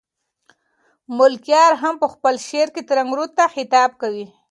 ملکیار هم په خپل شعر کې ترنک رود ته خطاب کوي.